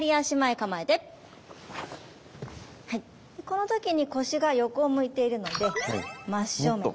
この時に腰が横を向いているので真正面。